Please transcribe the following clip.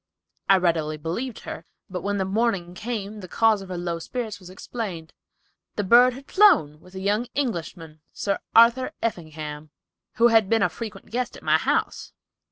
I readily believed her; but when the morning came the cause of her low spirits was explained. The bird had flown, with a young Englishman, Sir Arthur Effingham, who had been a frequent guest at my house."